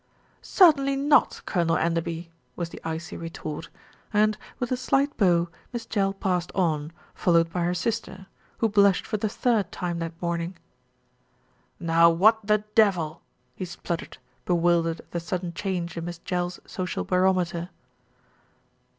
"Certainly not, Colonel Enderby," was the icy retort and, with a slight bow, Miss Jell passed on, followed by her sister, who blushed for the third time that morning. "Now what the devil !" he spluttered, bewildered at the sudden change in Miss Jell's social barometer.